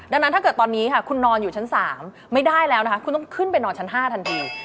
ดังนั้นถ้าเกิดตอนนี้ค่ะคุณนอนอยู่ชั้น๓ไม่ได้แล้วนะคะคุณต้องขึ้นไปนอนชั้น๕ทันที